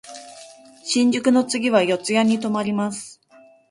新宿の次は四谷に止まります。